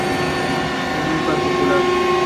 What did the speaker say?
Es muy particular.